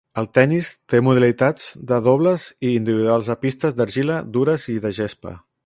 El tennis té modalitats de dobles i individuals a pistes d'argila, dures i de gespa.